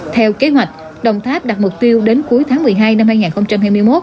theo kế hoạch đồng tháp đặt mục tiêu đến cuối tháng một mươi hai năm hai nghìn hai mươi một